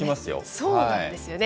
そうなんですよね。